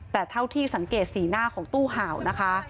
แต่เท่าที่สังเกตสีหน้าของตู้เห่านะคะ